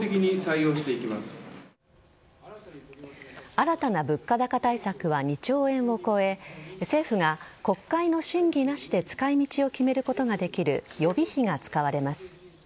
新たな物価高対策は２兆円を超え政府が国会の審議なしで使い道を決めることができる予備費が使われます。